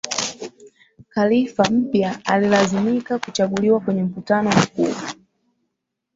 khalifa mpya alilazimika kuchaguliwa kwenye mkutano mkuu